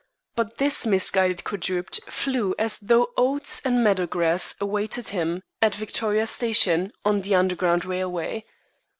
But this misguided quadruped flew as though oats and meadow grass awaited him at Victoria Station on the Underground Railway.